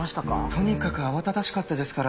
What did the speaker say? とにかく慌ただしかったですから。